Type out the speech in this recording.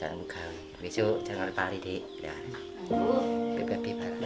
jakarta soprattutto punya tim muara